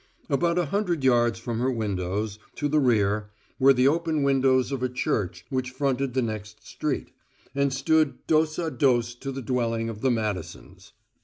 About a hundred yards from her windows, to the rear, were the open windows of a church which fronted the next street, and stood dos a dos to the dwelling of the Madisons.